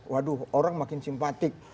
waduh orang makin simpatik